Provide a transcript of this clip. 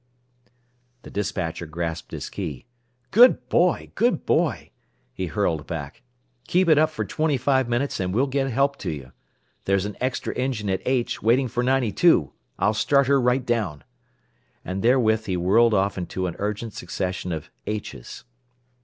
The despatcher grasped his key. "Good boy! Good boy!" he hurled back. "Keep it up for twenty five minutes and we'll get help to you. There's an extra engine at H, waiting for 92. I'll start her right down." And therewith he whirled off into an urgent succession of "H's."